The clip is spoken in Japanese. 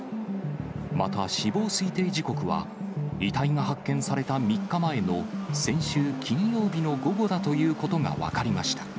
また死亡推定時刻は、遺体が発見された３日前の、先週金曜日の午後だということが分かりました。